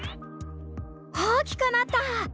大きくなった！